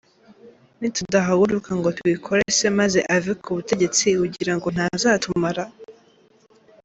Nitudahaguruka ngo tuyikore se maze ave ku butegetsi, ugirango ntazatumara!